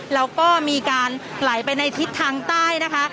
แล้วก็มีการไหลไปในทิศทางใต้นะคะ